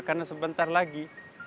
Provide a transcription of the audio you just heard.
karena sebentar lagi